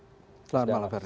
selamat malam pak rudi